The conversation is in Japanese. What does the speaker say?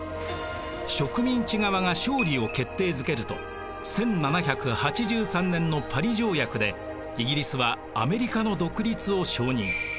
植民地側が勝利を決定づけると１７８３年のパリ条約でイギリスはアメリカの独立を承認。